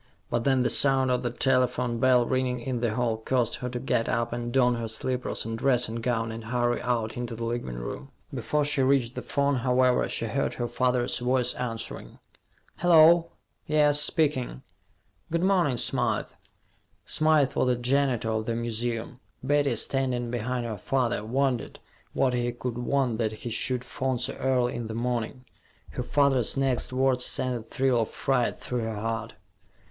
But then the sound of the telephone bell ringing in the hall caused her to get up and don her slippers and dressing gown and hurry out into the living room. Before she reached the phone, however, she heard her father's voice answering. "Hello.... Yes, speaking. Good morning, Smythe." Smythe was the janitor of the museum. Betty, standing behind her father, wondered what he could want that he should phone so early in the morning. Her father's next words sent a thrill of fright through her heart.